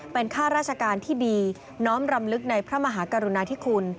เป็นข้าราชการที่ดีน้อมรำลึกในพระมหากรุณาธิคุณ